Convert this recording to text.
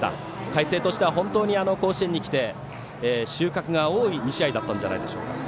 海星としては本当に甲子園に来て収穫が多い２試合だったんじゃないでしょうか。